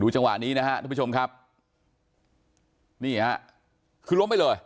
จังหวะนี้นะฮะทุกผู้ชมครับนี่ฮะคือล้มไปเลย